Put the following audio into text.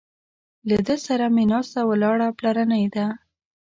له ده سره مې ناسته ولاړه پلرنۍ ده.